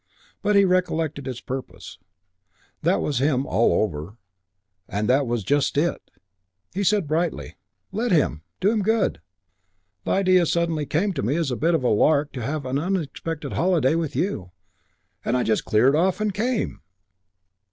but he recollected his purpose; that was him all over and that was just it! He said brightly, "Let him. Do him good. The idea suddenly came to me as a bit of a lark to have an unexpected holiday with you, and I just cleared off and came!"